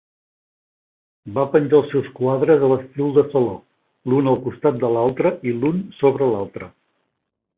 Va penjar els seus quadres a l'estil de saló, l'un al costat de l'altre i l'un sobre l'altre.